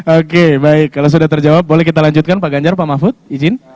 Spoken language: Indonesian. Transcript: oke baik kalau sudah terjawab boleh kita lanjutkan pak ganjar pak mahfud izin